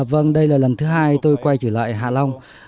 vâng đây là lần thứ hai tôi quay trở lại hạ long